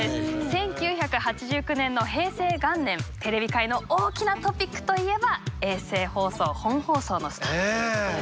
１９８９年の平成元年テレビ界の大きなトピックといえば衛星放送本放送のスタートという。